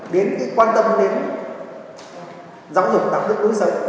đến quan tâm đến giáo dục đạo đức đối xấu